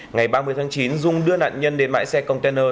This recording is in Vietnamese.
ngày ba mươi tháng chín dung đưa nạn nhân đến mãi xe container